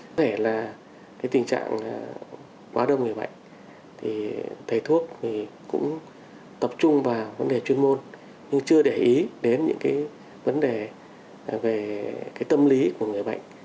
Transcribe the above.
có thể là tình trạng quá đông người bệnh thì thầy thuốc cũng tập trung vào vấn đề chuyên môn nhưng chưa để ý đến những vấn đề về tâm lý của người bệnh